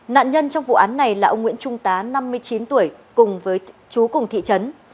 nạn nhân trong vụ án này là ông nguyễn trung tá năm mươi chín tuổi cùng với chú cùng thị trấn